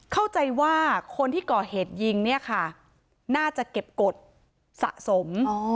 เข้าใจว่าคนที่ก่อเหตุยิงเนี่ยค่ะน่าจะเก็บกฎสะสม